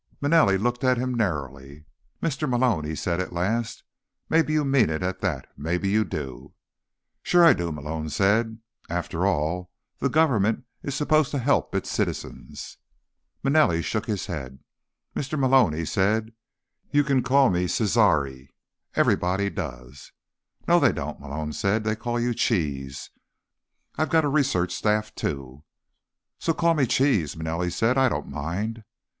Manelli looked at him narrowly. "Mr. Malone," he said at last, "maybe you mean it at that. Maybe you do." "Sure I do," Malone said. "After all, the government is supposed to help its citizens." Manelli shook his head. "Mr. Malone," he said, "you can call me Cesare. Everybody does." "No, they don't," Malone said. "They call you Cheese. I've got a research staff too." "So call me Cheese," Manelli said. "I don't mind."